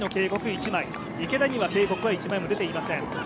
１枚池田には警告は１枚も出ていません